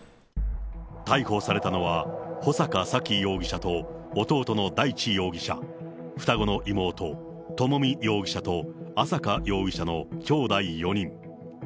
逮捕されたのは、穂坂沙喜容疑者と、弟の大地容疑者、双子の妹、朝美容疑者と、朝華容疑者のきょうだい４人。